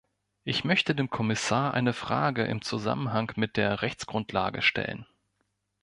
Ich möchte dem Kommissar eine Frage im Zusammenhang mit der Rechtsgrundlage stellen.